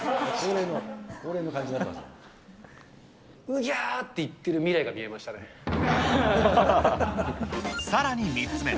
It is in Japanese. うぎゃーって言ってる未来がさらに３つ目。